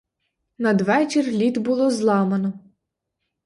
Надвечір лід було зламано.